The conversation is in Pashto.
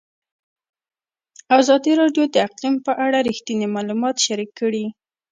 ازادي راډیو د اقلیم په اړه رښتیني معلومات شریک کړي.